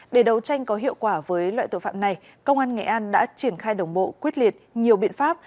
để đấu tranh có hiệu quả với loại tội phạm này công an nghệ an đã triển khai đồng bộ quyết liệt nhiều biện pháp